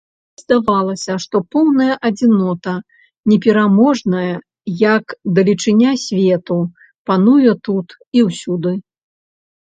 І здавалася, што поўная адзінота, непераможная, як далечыня свету, пануе тут і ўсюды.